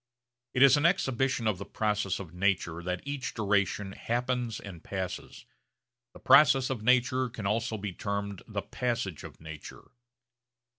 It is an exhibition of the process of nature that each duration happens and passes. The process of nature can also be termed the passage of nature.